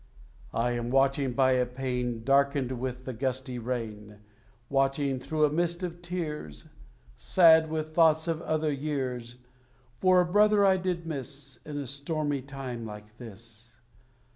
I am watching by a pane Darkened with the gusty rain, Watching, through a mist of tears, Sad with thoughts of other years, For a brother I did miss In a stormy time like this.